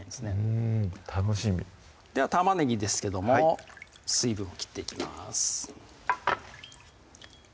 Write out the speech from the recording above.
うん楽しみでは玉ねぎですけども水分を切っていきます